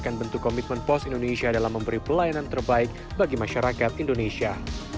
dan bentuk komitmen pos indonesia dalam memberi pelayanan terbaik bagi masyarakat indonesia